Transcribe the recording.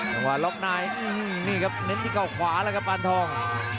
จังหวะล็อกในนี่ครับเน้นที่เข้าขวาแล้วครับปานทอง